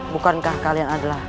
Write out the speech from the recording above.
bukankah kalian adalah